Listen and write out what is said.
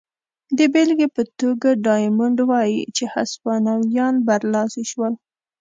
د بېلګې په توګه ډایمونډ وايي چې هسپانویان برلاسي شول.